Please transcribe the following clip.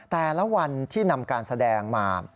แต่ละวันที่นำการแสดงมา